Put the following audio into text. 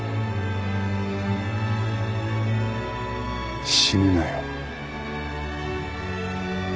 死ぬなよ。